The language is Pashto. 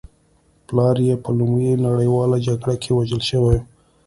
پلار یې په لومړۍ نړۍواله جګړه کې وژل شوی و